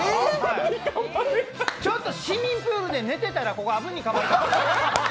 ちょっと市民プールで寝てたら、ここアブにかまれた。